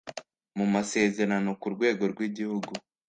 mu masezerano ku rwego rw igihugu